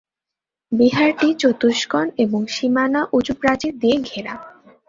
বিহারটি চতুষ্কোণ এবং সীমানা উঁচু প্রাচীর দিয়ে ঘেরা।